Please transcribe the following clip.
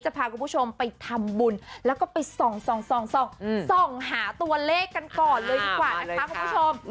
จะพาคุณผู้ชมไปทำบุญและไปส่องหาตัวเลขกันก่อนเลยครับคุณผู้ชม